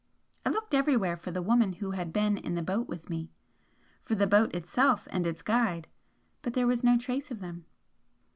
I looked everywhere for the woman who had been in the boat with me for the boat itself and its guide but there was no trace of them.